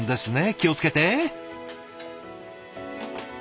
気を付けて。